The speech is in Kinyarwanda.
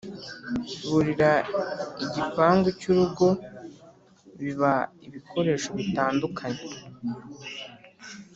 burira igipangu cy’urugo biba ibikoresho bitandukanye